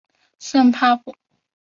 圣帕普。